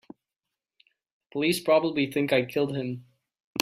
The police probably think I killed him.